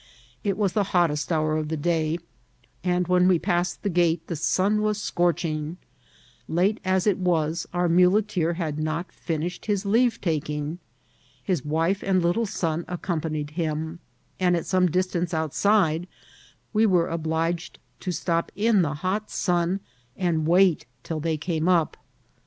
It was the hottest hour o( the day, and when we passed the gate the sun was sc(»ch^ ing. Late as it was, bur muleteer had not finisfaed his kaye taking. His wife and little son accompanied him ; and at some distance outside we were obliged to stop in the hot sun and wait till they came \xp.